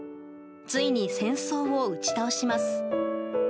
ついに戦争を打ち倒します。